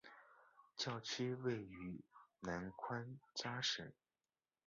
教区位于南宽扎省。